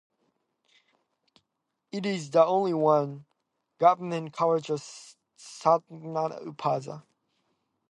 It is the only one government college of Satkania Upazila.